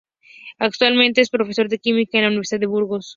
Actualmente, es profesor de química en la Universidad de Burgos.